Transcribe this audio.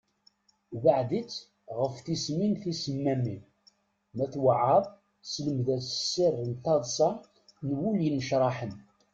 Beɛɛed-it ɣef tismin tisemmamin, ma tweɛɛaḍ, selmed-as sser n taḍsa n wul yennecṛaḥen.